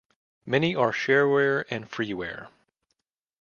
Many are shareware and freeware.